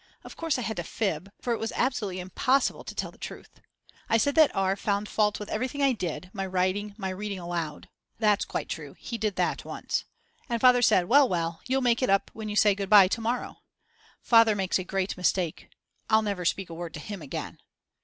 Of course I had to fib, for it was absolutely impossible to tell the truth. I said that R. found fault with everything I did, my writing, my reading aloud. (That's quite true, he did that once) and Father said: Well, well, you'll make it up when you say goodbye to morrow. Father makes a great mistake. I'll never speak a word to him again.